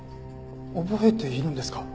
覚えているんですか？